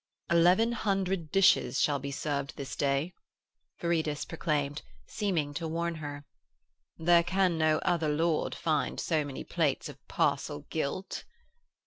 'Eleven hundred dishes shall be served this day,' Viridus proclaimed, seeming to warn her. 'There can no other lord find so many plates of parcel gilt.'